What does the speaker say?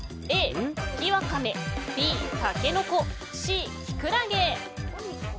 Ａ、茎ワカメＢ、タケノコＣ、キクラゲ。